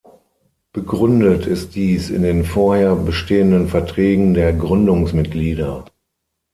Begründet ist dies in den vorher bestehenden Verträgen der Gründungsmitglieder.